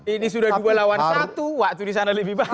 ini sudah dua lawan satu waktu disana lebih banyak